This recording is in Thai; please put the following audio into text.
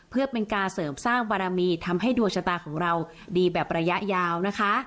เพื่อเป็นการเสริมสร้างบารมีทำให้ดวงชะตาของเราดีแบบระยะยาวนะคะ